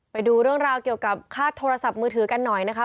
ไปดูเรื่องราวเกี่ยวกับค่าโทรศัพท์มือถือกันหน่อยนะคะ